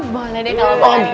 makan dulu nih di bawah pulang kak